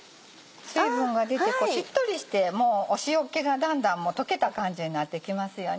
水分が出てしっとりして塩っ気がだんだん溶けた感じになってきますよね。